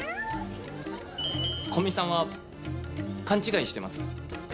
古見さんは勘違いしてます。